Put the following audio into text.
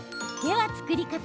では、作り方。